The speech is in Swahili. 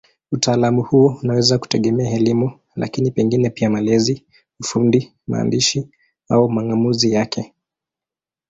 Utaalamu huo unaweza kutegemea elimu, lakini pengine pia malezi, ufundi, maandishi au mang'amuzi yake.